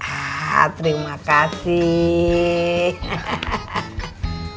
ah terima kasih